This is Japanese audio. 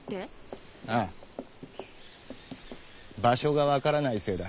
「場所」が分からないせいだ。